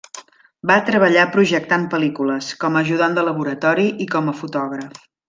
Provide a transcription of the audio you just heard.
Va treballar projectant pel·lícules, com a ajudant de laboratori i com a fotògraf.